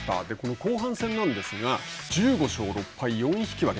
後半戦なんですが１５勝６敗４引き分け